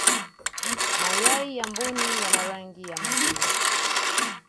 mayai ya mbuni yana rangi ya maziwa